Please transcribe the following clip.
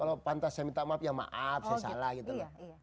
kalau pantas saya minta maaf ya maaf saya salah gitu loh